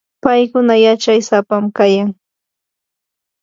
paykuna yachay sapam kayan.